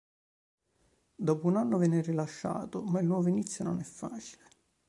Dopo un anno viene rilasciato, ma il nuovo inizio non è felice.